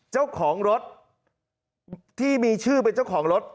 เจ้าของรถที่มีชื่อเป็นเจ้าของรถ